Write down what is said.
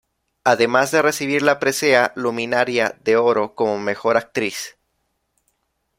Además de recibir la Presea Luminaria de Oro como mejor actriz.